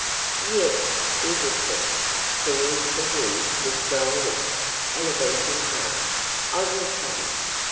'Yes,' she whispered, clinging to him with dry lips and a beating heart; 'I will come!